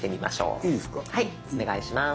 はいお願いします。